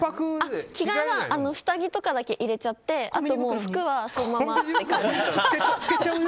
着替えは下着とかだけ入れちゃってあとはもう服はそのままっていう。